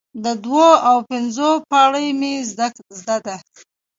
د دوو او پنځو پاړۍ مې زده ده،